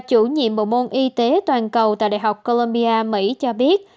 chủ nhiệm bộ môn y tế toàn cầu tại đại học colombia mỹ cho biết